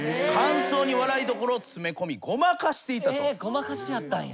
ごまかしやったんや。